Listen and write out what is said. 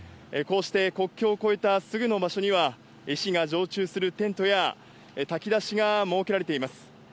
こうして国境を越えたすぐの場所には、医師が常駐するテントや、炊き出しが設けられています。